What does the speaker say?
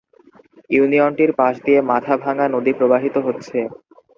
ইউনিয়নটির পাশ দিয়ে মাথাভাঙ্গা নদী প্রবাহিত হচ্ছে।